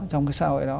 trong cái xã hội đó